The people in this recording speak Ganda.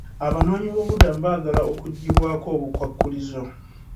Abanoonyiboobubudamu baagala okuggibwako obukwakkulizo.